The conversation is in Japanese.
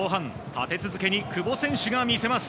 立て続けに久保選手が見せます。